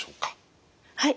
はい。